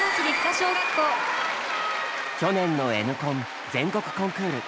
去年の「Ｎコン」全国コンクール。